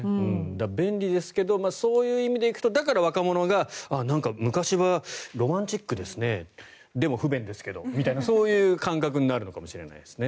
便利ですけどそういう意味で言うとだから若者がなんか昔はロマンチックですねでも不便ですけどみたいなそういう感覚になるのかもしれないですね。